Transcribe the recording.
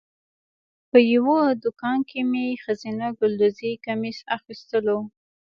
په یوه دوکان کې مې ښځینه ګلدوزي کمیس اخیستلو.